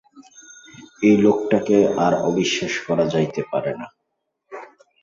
এই লোকটাকে আর অবিশ্বাস করা যাইতে পারে না।